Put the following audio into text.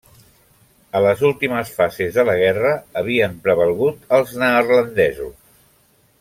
A les últimes fases de la guerra havien prevalgut els neerlandesos.